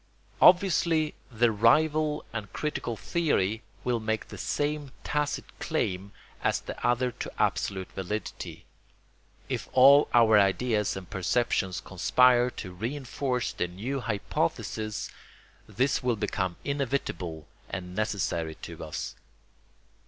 Obviously the rival and critical theory will make the same tacit claim as the other to absolute validity. If all our ideas and perceptions conspire to reinforce the new hypothesis, this will become inevitable and necessary to us.